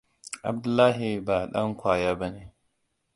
Abdullahia ba dan ƙwaya bane.